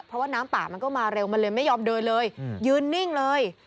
เพราะว่าน้ำป่ามันก็มาเร็วมันเลยไม่ยอมเดินเลยยืนนิ่งเลย